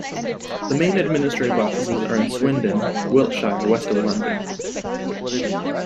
The main administrative offices are in Swindon, Wiltshire, west of London.